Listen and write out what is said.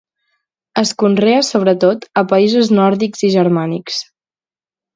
Es conrea sobretot a països nòrdics i germànics.